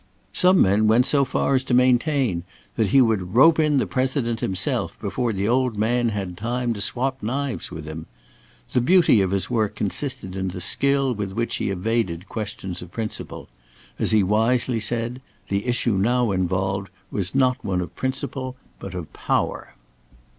Some men went so far as to maintain that he would "rope in the President himself before the old man had time to swap knives with him." The beauty of his work consisted in the skill with which he evaded questions of principle. As he wisely said, the issue now involved was not one of principle but of power.